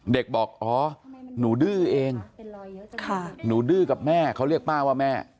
บอกอ๋อหนูดื้อเองหนูดื้อกับแม่เขาเรียกป้าว่าแม่